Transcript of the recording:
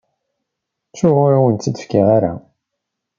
Ttuɣ, ur awen-tt-in-fkiɣ ara.